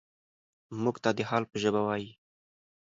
موږ ته د حال په ژبه وايي.